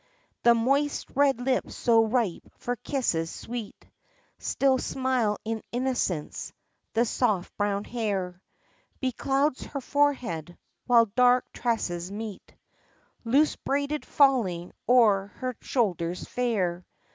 — The moist red lips so ripe for kisses sweet Still smile in innocence ; the soft brown hair Beclouds her forehead, while dark tresses meet Loose braided falling o'er her shoulders fair.